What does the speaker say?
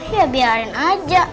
ya biarin aja